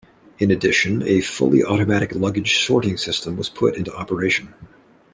In addition, a fully automatic luggage sorting system was put into operation.